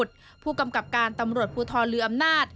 การภัยกับผู้กำกับการตำรวจภูทลืออำนาจ